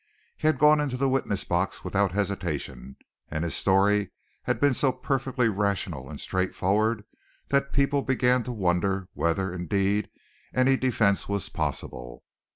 He had gone into the witness box without hesitation, and his story had been so perfectly rational and straightforward that people began to wonder whether, indeed, any defence was possible.